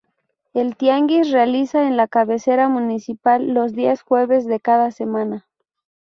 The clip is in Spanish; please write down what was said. El tianguis realiza en la cabecera municipal los días jueves de cada semana.